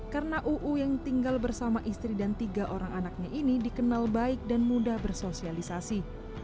karena uu yang tinggal bersama istri dan tiga orang anaknya ini dikenal baik dan mudah bersosialisasi